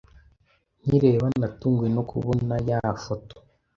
Nkireba natunguwe no kubona ya foto